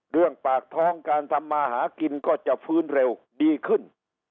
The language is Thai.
เรื่องปากท้องการทำมาหากินก็จะฟื้นเร็วดีขึ้น